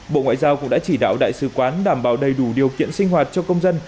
bộ ngoại giao cũng đã chỉ đạo đại sứ quán đảm bảo đầy đủ điều kiện sinh hoạt cho công dân